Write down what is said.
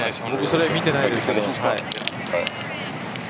僕それ見てないですけど。